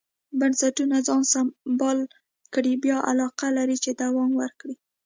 بنسټونه ځان سمبال کړي بیا علاقه لري چې دوام ورکړي.